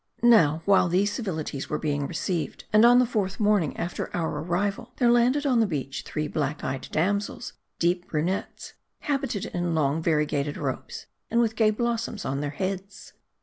Now, while these civilities were being received, and on the fourth morning after our arrival, there landed on the beach three black eyed damsels, deep brunettes, habited in long variegated robes, and with gay blossoms on their heads.